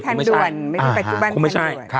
คงไม่ใช่คงไม่ใช่